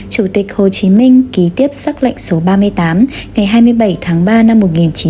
chủ tịch hồ chí minh ký tiếp xác lệnh số ba mươi tám ngày hai mươi bảy tháng ba năm một nghìn chín trăm bảy mươi